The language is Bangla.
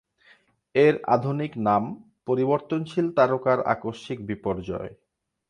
এর আধুনিক নামঃ পরিবর্তনশীল তারকার আকস্মিক বিপর্যয়।